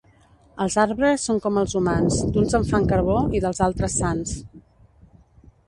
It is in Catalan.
Els arbres són com els humans, d'uns en fan carbó i dels altres sants.